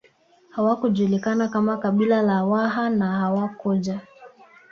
Hawakujulikana kama kabila la Waha na hawakuja